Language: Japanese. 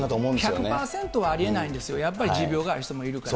１００％はありえないんですよ、やっぱり持病がある人もいるから。